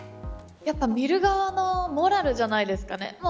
やっぱり見る側のモラルじゃないですかね。